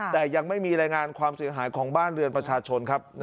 แต่ยังไม่มีรายงานความเสียหายของบ้านเรือนประชาชนครับ